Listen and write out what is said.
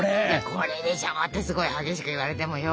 「これでしょ」ってすごい激しく言われてもよ。